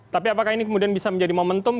tapi apakah ini kemudian bisa menjadi momentum